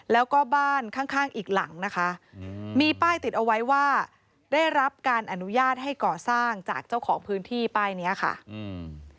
แล้วก็บ้านข้างข้างอีกหลังนะคะอืมมีป้ายติดเอาไว้ว่าได้รับการอนุญาตให้ก่อสร้างจากเจ้าของพื้นที่ป้ายเนี้ยค่ะอืม